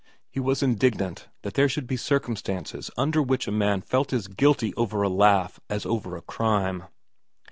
He was indignant that there should be circumstances under which a man felt as guilty over a laugh as over a crime.